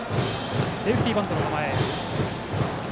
セーフティーバントの構え。